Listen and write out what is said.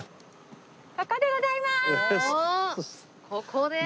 ここで。